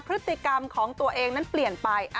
พฤติกรรมของตัวเองนั้นเปลี่ยนไป